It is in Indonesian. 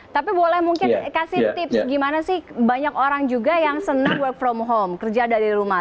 tapi boleh mungkin kasih tips gimana sih banyak orang juga yang senang work from home kerja dari rumah